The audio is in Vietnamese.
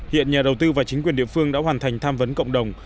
hiện nhà đầu tư và chính quyền địa phương đã hoàn thành tham vấn cộng đồng